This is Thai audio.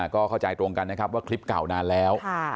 ก็เข้าใจตรงกันนะครับว่าคลิปเก่านานแล้ว